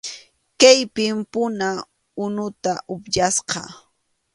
Kaypim puna unuta upyasqa.